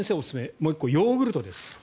もう１個、ヨーグルトです。